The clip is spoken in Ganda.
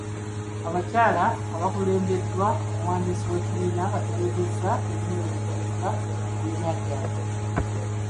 Abakyala abaakulembeddwa omuwandiisi w'ekibiina baategeezezza ebimu ebikoleddwa ekibiina kyabwe.